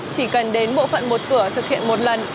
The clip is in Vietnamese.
chỉ cần đến bộ phận một cửa thực hiện một lần